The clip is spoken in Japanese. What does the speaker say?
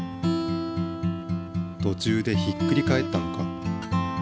途中でひっくり返ったのか？